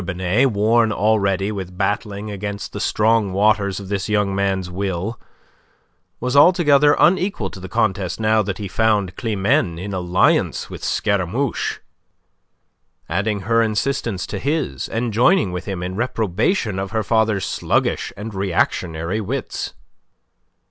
Binet, worn already with battling against the strong waters of this young man's will, was altogether unequal to the contest now that he found Climene in alliance with Scaramouche, adding her insistence to his, and joining with him in reprobation of her father's sluggish and reactionary wits.